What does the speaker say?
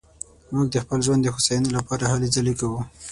موږ د خپل ژوند د هوساينې لپاره هلې ځلې کوو